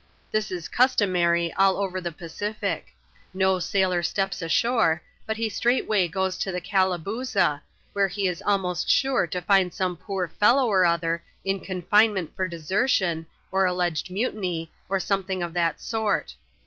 This is cus tomary all over the Pacific. No sailor steps ashore, but he straightway goes to the '* Calabooza," where he is almost sure to find some poor fellow or other in confinement for desertion, or alleged mutiny, or something of that sort.